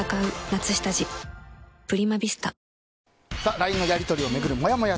ＬＩＮＥのやり取りを巡るモヤモヤ。